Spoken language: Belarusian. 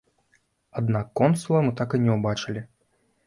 Аднак консула мы так і не ўбачылі.